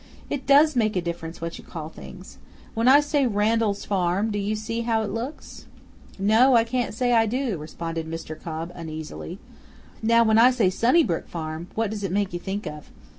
It does make a difference what you call things. When I say Randall's Farm, do you see how it looks?" "No, I can't say I do," responded Mr. Cobb uneasily. "Now when I say Sunnybrook Farm, what does it make you think of?"